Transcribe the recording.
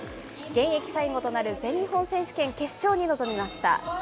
現役最後となる全日本選手権決勝に臨みました。